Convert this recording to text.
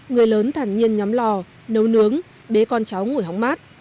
người lớn thẳng nhiên nhắm lò nấu nướng bế con cháu ngủi hóng mát